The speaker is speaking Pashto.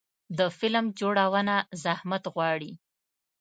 د فلم جوړونه زحمت غواړي.